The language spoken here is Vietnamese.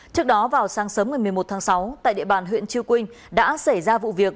trước đó vào sáng sớm ngày một mươi một tháng sáu tại địa bàn huyện chư quynh đã xảy ra vụ việc